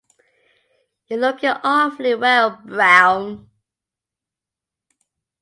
You're looking awfully well, Brown.